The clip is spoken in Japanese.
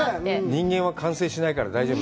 人間は完成しないから、大丈夫！